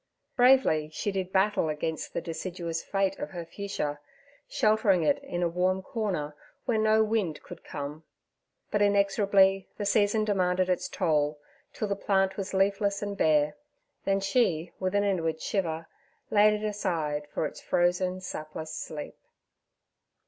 Bravely she did battle against the deciduous fate of her fuchsia, sheltering it in a warm corner where no wind could come. But inexorably the season demanded its toll, till the plant was leafless and bare, then she, with an inward shiver, laid it aside for its frozen, sapless sleep.